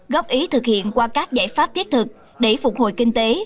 góp ý thực hiện qua các giải pháp thiết thực để phục hồi kinh tế